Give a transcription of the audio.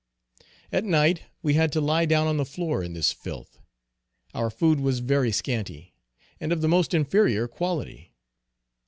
At night we had to lie down on the floor in this filth. Our food was very scanty, and of the most inferior quality.